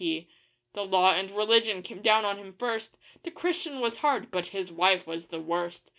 P. The law and religion came down on him first The Christian was hard but his wife was the worst!